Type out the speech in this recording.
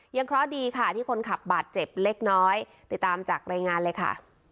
เคราะห์ดีค่ะที่คนขับบาดเจ็บเล็กน้อยติดตามจากรายงานเลยค่ะ